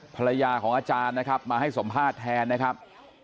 ภรรยาของอาจารย์นะครับมาให้สัมภาษณ์แทนนะครับ